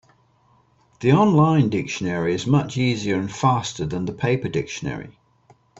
The online dictionary is much easier and faster than the paper dictionary.